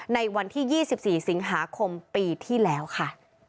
ในวันที่๒๔สิงหาคมปีที่แล้วค่ะ